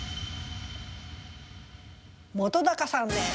本さんです。